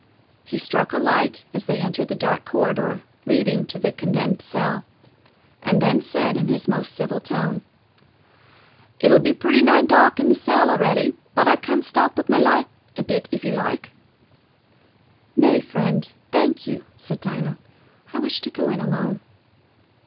He struck a light as they entered the dark corridor leading to the condemned cell, and then said in his most civil tone, "It'll be pretty nigh dark in the cell a'ready, but I can stop with my light a bit, if you like." "Nay, friend, thank you," said Dinah. "I wish to go in alone."